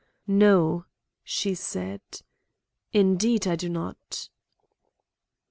"No," she said. "Indeed I do not."